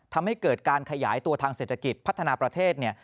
ทำให้เกิดการขยายตัวทางเศรษฐกิจพัฒนาประเทศเนี่ย